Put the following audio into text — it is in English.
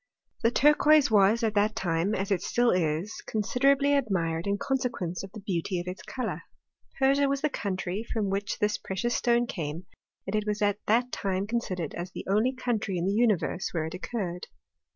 The turquoise was at that time, as it still is, con siderably admired in consequence of the beauty of its colour. Persia was the country from which this pre cious stone came, and it was at that time considered as the only country in the universe where it occurred.